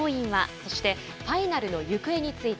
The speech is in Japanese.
そしてファイナルの行方について。